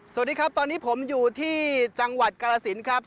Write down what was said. สวัสดีครับตอนนี้ผมอยู่ที่จังหวัดกาลสินครับ